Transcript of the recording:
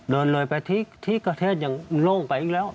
เดินเลยเลยไปที่เขาเทรดยังโล่งไปอีกแล้ว